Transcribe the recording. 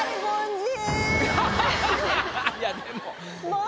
いやでも。